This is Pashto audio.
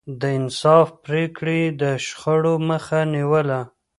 د انصاف پرېکړې يې د شخړو مخه نيوله.